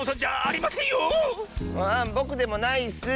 ぼくでもないッス。